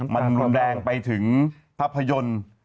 มันรุนแรงไปถึงภาพยนตร์